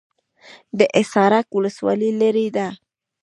د حصارک ولسوالۍ لیرې ده